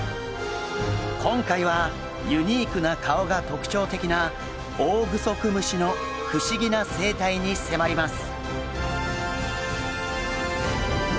今回はユニークな顔が特徴的なオオグソクムシの不思議な生態に迫ります。